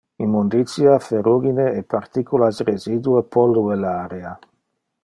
Immunditia, ferrugine e particulas residue pollue le area.